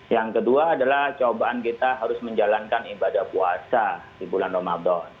yang kedua adalah cobaan kita harus menjalankan ibadah puasa di bulan ramadan